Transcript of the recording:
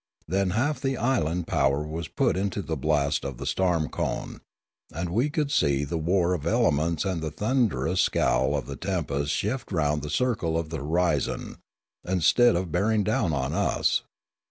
Then half the island power was put into the blast of the storm cone; and we could see the war of elements and the thunderous scowl of the tempest shift round the circle of the hori zon, instead of bearing down on us.